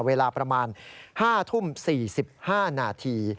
เวลาประมาณ๕ทุ่ม๔๕นาที